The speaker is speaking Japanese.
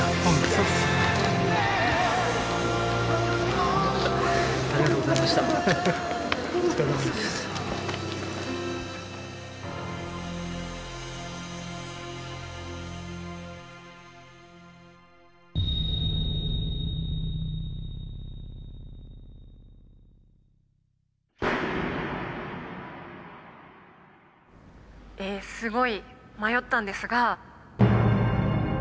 えすごい迷ったんですが。